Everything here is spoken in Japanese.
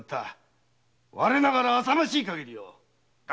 我ながらあさましい限りだ！